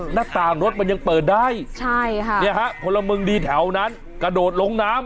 หน้าต่างรถมันยังเปิดได้ใช่ค่ะเนี่ยฮะพลเมืองดีแถวนั้นกระโดดลงน้ำ